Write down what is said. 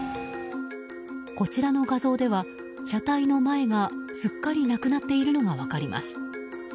こちらの画像では、車体の前がすっかりなくなっているのが分かります。